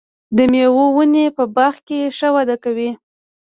د مېوو ونې په باغ کې ښه وده کوي.